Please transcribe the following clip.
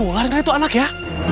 ular itu anak ya